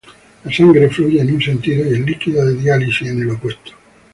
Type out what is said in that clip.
La sangre fluye en un sentido y el líquido de diálisis en el opuesto.